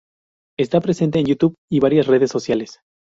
Está presente en YouTube y varias redes sociales.